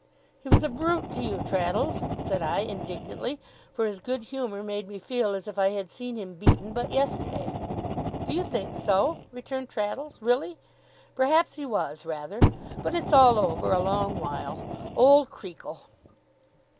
'He was a brute to you, Traddles,' said I, indignantly; for his good humour made me feel as if I had seen him beaten but yesterday. 'Do you think so?' returned Traddles. 'Really? Perhaps he was rather. But it's all over, a long while. Old Creakle!